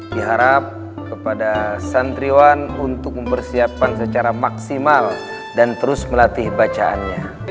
diharap kepada santriwan untuk mempersiapkan secara maksimal dan terus melatih bacaannya